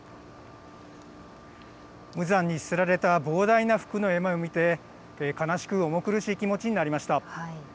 無残に捨てられた膨大な服の山を見て悲しく重苦しい気持ちになりました。